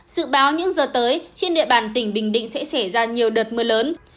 sự báo những giờ tới trên địa bàn tỉnh bình định sẽ xảy ra nhiều đợt mưa lớn